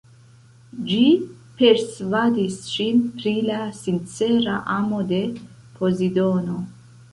Ĝi persvadis ŝin pri la sincera amo de Pozidono.